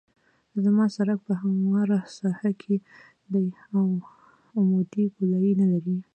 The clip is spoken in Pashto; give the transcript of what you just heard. زما سرک په همواره ساحه کې دی او عمودي ګولایي نلري